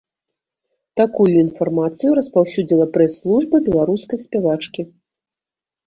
Такую інфармацыю распаўсюдзіла прэс-служба беларускай спявачкі.